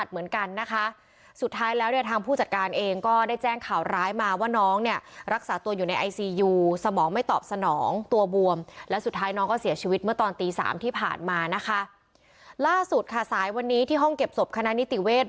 เมื่อตอนตีสามที่ผ่านมานะคะล่าสุดค่ะสายวันนี้ที่ห้องเก็บศพคณะนิติเวช